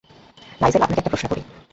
Nigel, আপনাকে একটা প্রশ্ন করি।